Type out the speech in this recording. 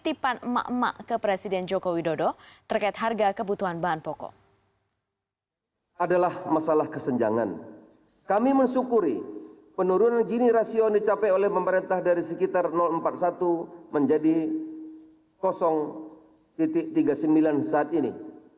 ini adalah modal terbesar dan terkuat yang harus kita miliki